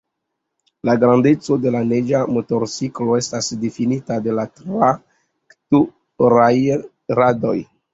La grandeco de la neĝa motorciklo estas difinita de la traktoraj radoj.